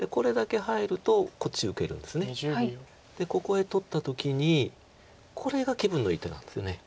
でここへ取った時にこれが気分のいい手なんです。